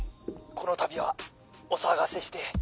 このたびはお騒がせして。